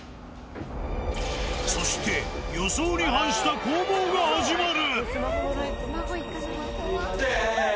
そして、予想に反した攻防が始まる。